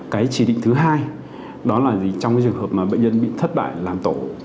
cái chỉ định thứ hai đó là trong trường hợp mà bệnh nhân bị thất bại làm tổ